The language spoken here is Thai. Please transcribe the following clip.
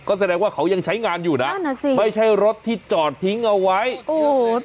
ก็แสดงว่าเขายังใช้งานอยู่นะไม่ใช่รถที่จอดทิ้งเอาไว้นั่นอาสิ